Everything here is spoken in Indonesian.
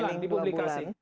dua bulan dipublikasi